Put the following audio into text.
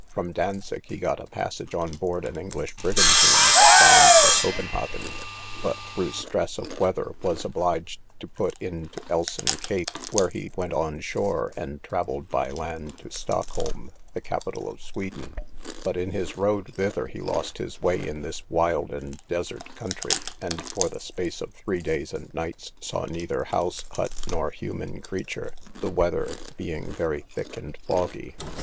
From Dantzic he got a passage on board an English brigantine bound for Copenhagen, but through stress of weather was obliged to put into Elson Cape, where he went on shore, and travelled by land to Stockholm, the capital of Sweden, but in his road thither he lost his way in this wild and desert country, and for the space of three days and nights saw neither house, hut, nor human creature, the weather being very thick and foggy.